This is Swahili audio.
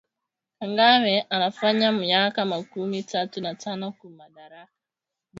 Kangame anafanya myaka makumi tatu na tano ku madaraka